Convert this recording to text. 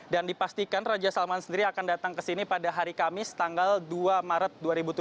dan dipastikan raja salman sendiri akan datang ke sini pada hari kamis tanggal dua maret dua ribu tujuh belas